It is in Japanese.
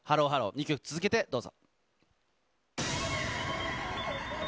２曲続けてどうぞ。